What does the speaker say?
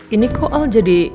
ini koal jadi